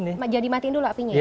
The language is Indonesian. ini jadi matiin dulu apinya ya